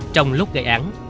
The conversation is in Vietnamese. trong lúc gây án